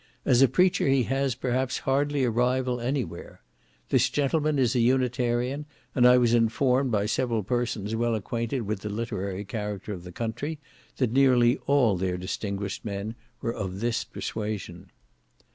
As a preacher he has, perhaps, hardly a rival any where. This gentleman is an Unitarian, and I was informed by several persons well acquainted with the literary character of the country, that nearly all their distinguished men were of this persuasion.